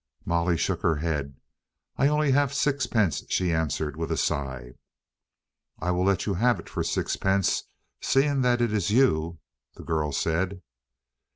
Molly shook her head. "I only have sixpence," she answered with a sigh. "I will let you have it for sixpence seeing that it is you," the girl said.